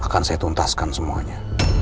akan saya tuntaskan semuanya